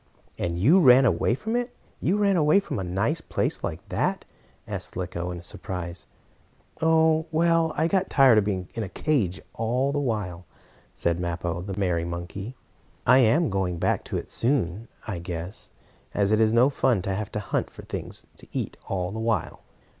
"And you ran away from it you ran away from a nice place like that?" asked Slicko in surprise. "Oh, well, I got tired of being in a cage all the while," said Mappo, the merry monkey. "I am going back again soon, I guess, as it is no fun to have to hunt for things to eat all the while.